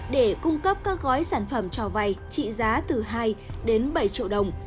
để cung cấp các gói sản phẩm cho vay trị giá từ hai đến bảy triệu đồng